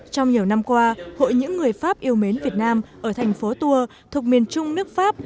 trong nhiều năm qua hội những người pháp yêu mến việt nam ở thành phố tour thuộc miền trung nước pháp